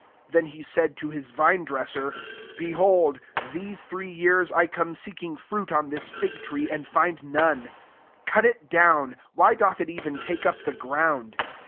7 Then he said to hi9 vine dresser, < Behold, these three years I come seeking fruit on this fig tree, and find none: cut it down; why doth it even take up the ground?'